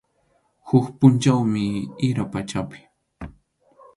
Huk pʼunchawmi ira pachapi.